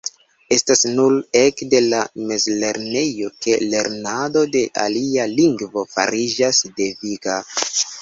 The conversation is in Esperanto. Estas nur ekde la mezlernejo ke lernado de alia lingvo fariĝas deviga.